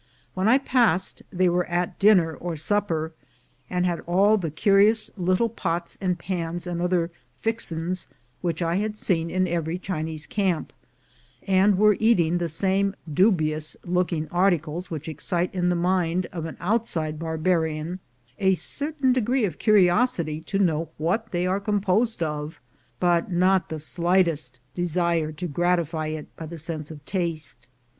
When I passed they were at dinner or supper, and had all the curious little pots and pans and other "fixins" which I had seen in every Chinese camp, and were eating the same dubious looking articles which excite in the mind of an outside bar barian a certain degree of curiosity to know what they are composed of, but not the slightest desire to gratify it by the sense of taste.